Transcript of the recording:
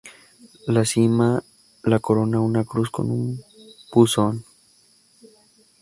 La cima la corona una cruz con un buzón.